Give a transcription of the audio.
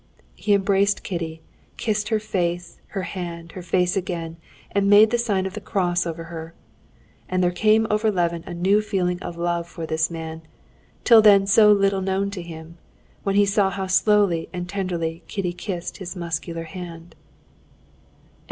He embraced Kitty, kissed her face, her hand, her face again, and made the sign of the cross over her. And there came over Levin a new feeling of love for this man, till then so little known to him, when he saw how slowly and tenderly Kitty kissed his muscular hand.